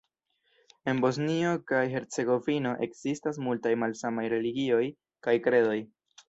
En Bosnio kaj Hercegovino ekzistas multaj malsamaj religioj kaj kredoj.